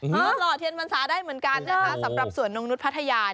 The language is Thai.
หล่อเทียนพรรษาได้เหมือนกันนะคะสำหรับสวนนงนุษย์พัทยา